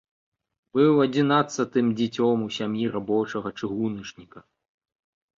Быў адзінаццатым дзіцем у сям'і рабочага-чыгуначніка.